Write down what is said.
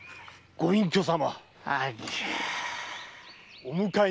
ご隠居様。